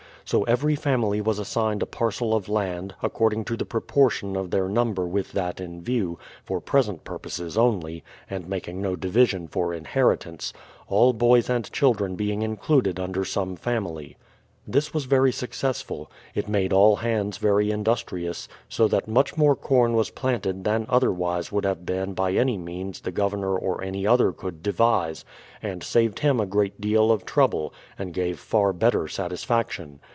So every family was assigned a parcel of land, according to the proportion of their number with that in view, — for present purposes only, and making no division for inheritance, — all boys and children being in cluded under some family. This was very successful. It made all hands very industrious, so that much more corn was planted than otherwise would have been by any means the Governor or any other could devise, and saved him a great deal of trouble, and gave far better satisfaction.